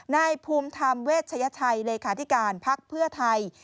นายภูมิธรรมเวชยชัยเลขาธิการภักดิ์เพื่อไทย